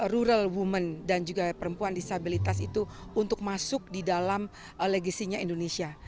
rural women dan juga perempuan disabilitas itu untuk masuk di dalam legasinya indonesia